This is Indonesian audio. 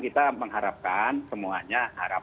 kita mengharapkan semuanya